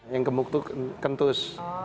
yang kemuk tuh klentus